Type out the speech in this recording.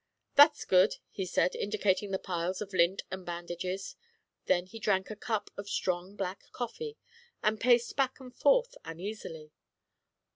"That's good," he said, indicating the piles of lint and bandages. Then he drank a cup of strong, black coffee, and paced back and forth uneasily.